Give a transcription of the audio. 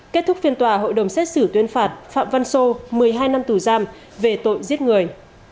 kết thúc phiên tòa hội đồng xét xử tuyên phạt phạm văn sô một mươi hai năm tù giam về tội giết người